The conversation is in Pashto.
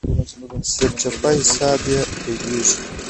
سرچپه حساب يې پيلېږي.